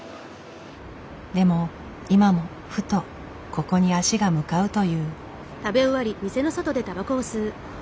でも今もふとここに足が向かうという。